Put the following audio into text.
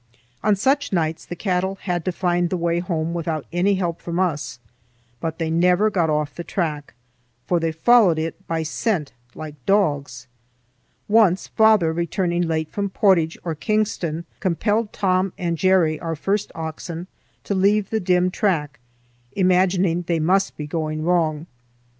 On such nights the cattle had to find the way home without any help from us, but they never got off the track, for they followed it by scent like dogs. Once, father, returning late from Portage or Kingston, compelled Tom and Jerry, our first oxen, to leave the dim track, imagining they must be going wrong.